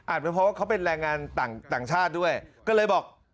เป็นเพราะว่าเขาเป็นแรงงานต่างชาติด้วยก็เลยบอก